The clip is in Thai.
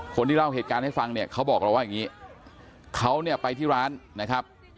คนที่เล่าเหตุการณ์ให้ฟังเนี่ยเขาบอกเราว่าอย่างนี้เขาเนี่ยไปที่ร้านนะครับ